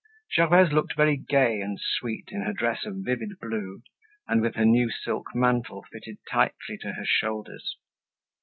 Gervaise looked very gay and sweet in her dress of vivid blue and with her new silk mantle fitted tightly to her shoulders.